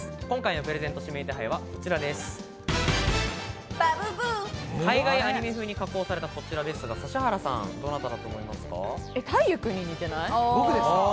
今回のプレゼント指名手配はこの方です。